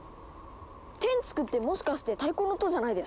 テンツクってもしかして太鼓の音じゃないですか？